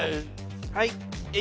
はい。